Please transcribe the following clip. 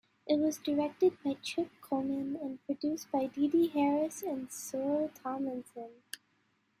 It was directed by Trip Cullman and produced by DeDe Harris and Sorrel Tomlinson.